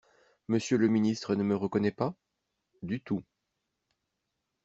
Monsieur le ministre ne me reconnaît pas ? Du tout.